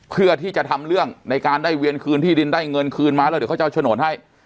เพื่อที่จะทำเรื่องในการได้เวียนคืนที่ดินได้เงินคืนมาแล้วเดี๋ยวเขาจะเอาโฉนดให้